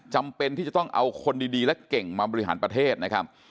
จำเป็นที่จะต้องเอาคนดีและเก่งมาบริหารประเทศนะครับ